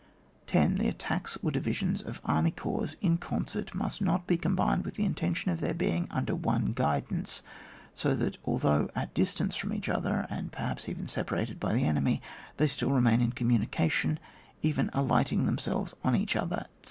10. The attacks of divisions or Army Corps in concert, must not be combined with the intention of their being under one guidance, so that although at a dis tance from each other, and perhaps even separated by the enemy, they still remain in commimication, even aligning them selves on each other, &o.